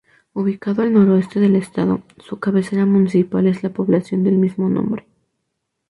Ubicado al noreste del estado, su cabecera municipal es la población del mismo nombre.